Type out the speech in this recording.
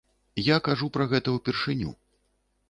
Я кажу пра гэта ўпершыню.